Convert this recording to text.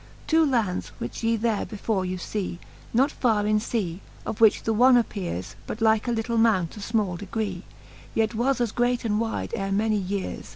Two ilands, which ye there before you fee Not farre in fea ; of which the one appeares But like a little mount of fmall degree ; Yet was as great and wide ere many yeares.